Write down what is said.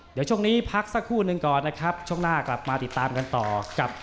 เดี๋ยวช่วงนี้พักสักครู่หนึ่งก่อนนะครับช่วงหน้ากลับมาติดตามกันต่อกับ